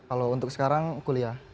kalau untuk sekarang kuliah